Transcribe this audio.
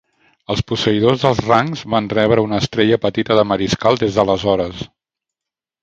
Els posseïdors dels rangs van rebre una estrella petita de mariscal des d'aleshores.